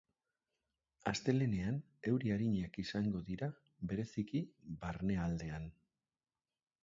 Astelehenean, euri arinak izango dira, bereziki barnealdean.